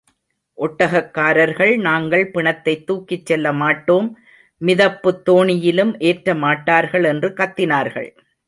ஒட்டகக் காரர்கள், நாங்கள் பிணத்தைத் தூக்கிச் செல்ல மாட்டோம், மிதப்புத் தோணியிலும் ஏற்றமாட்டார்கள் என்று கத்தினார்கள்.